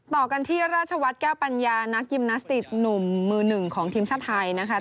ต่อกันที่ราชวัฒน์แก้วปัญญานักยิมนาสติกหนุ่มมือหนึ่งของทีมชาติไทยนะคะ